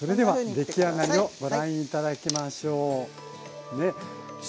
出来上がりをご覧頂きましょう。